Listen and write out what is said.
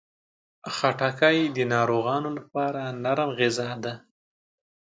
خټکی د ناروغانو لپاره نرم غذا ده.